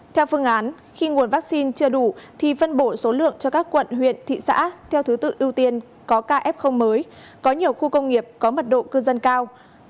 theo phương án khi nguồn vaccine chưa đủ thì phân bổ số lượng cho các quận huyện thị xã theo thứ tự ưu tiên có kf mới có nhiều khu công nghiệp có mật độ cư dân cao